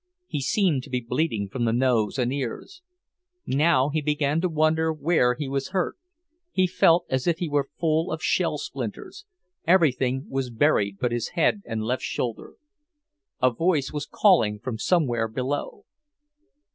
He seemed to be bleeding from the nose and ears. Now he began to wonder where he was hurt; he felt as if he were full of shell splinters. Everything was buried but his head and left shoulder. A voice was calling from somewhere below.